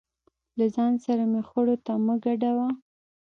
له ځان سره مې خړو ته مه ګډوه.